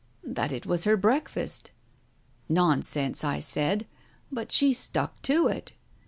"That it was her breakfast. Nonsense, I said. But she stuck to it.